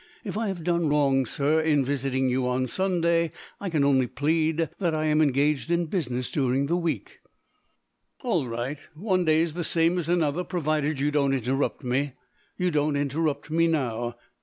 If I have done wrong, sir, in visiting you on Sunday, I can only plead that I am engaged in business during the week " "All right. One day's the same as another, provided you don't interrupt me. You don't interrupt me now.